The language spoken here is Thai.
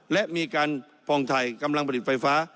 และมีการพองไทยกำลังผลิตไฟฟ้า